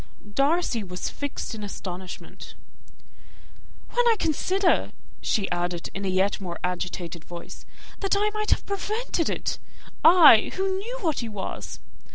Darcy was fixed in astonishment. "When I consider," she added, in a yet more agitated voice, "that I might have prevented it! I who knew what he was.